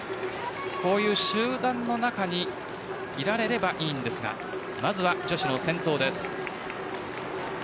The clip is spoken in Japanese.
集団の中にいられればいいですがまずは女子の先頭です。